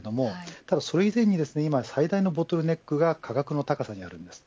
ただそれ以前に最大のボトルネックが価格の高さにあります。